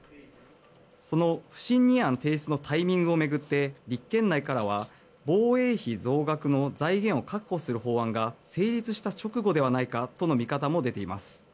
その不信任案提出のタイミングを巡って立憲内からは防衛費増額の財源を確保する法案が成立した直後ではないかとの見方も出ています。